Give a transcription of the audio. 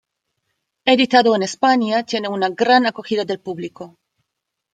Editado en España, tiene una gran acogida del público.